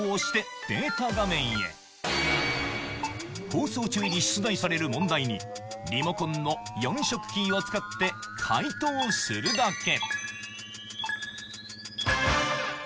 放送中に出題される問題に、リモコンの４色キーを使って解答するだけ。